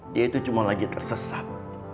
dia itu cuma lagi tersesat